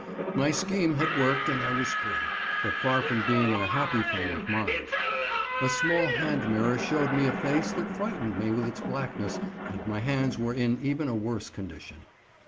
My scheme had worked and I was free, but far from being in a happy frame of mind. A small hand mirror showed me a face that frightened me with its blackness, and my hands were in even a worse condition.